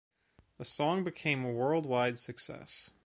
The song became a world wide success.